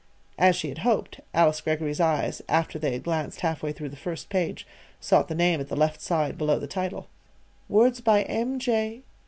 As she had hoped, Alice Greggory's eyes, after they had glanced half way through the first page, sought the name at the left side below the title. "'Words by M. J.